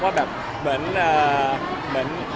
ว่าแบบเหมือน